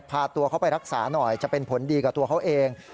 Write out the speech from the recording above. พาตัวเขาไปรักษาหน่อยจะเป็นผลดีกับตัวเขาเอง